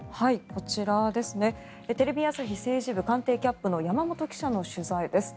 こちら、テレビ朝日政治部官邸キャップの取材です。